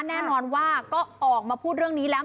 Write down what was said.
แน่นอนว่าก็ออกมาพูดเรื่องนี้แล้ว